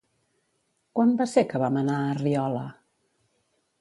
Quan va ser que vam anar a Riola?